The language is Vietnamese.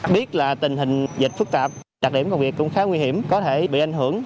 biết là tình hình dịch phức tạp đặc điểm công việc cũng khá nguy hiểm có thể bị ảnh hưởng